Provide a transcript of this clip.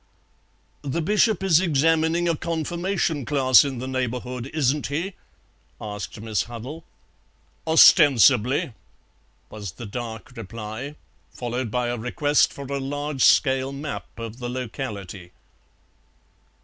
"The Bishop is examining a confirmation class in the neighbourhood, isn't he?" asked Miss Huddle. "Ostensibly," was the dark reply, followed by a request for a large scale map of the locality.